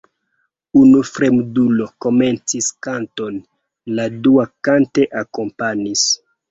Unu fremdulo komencis kanton, la dua kante akompanis.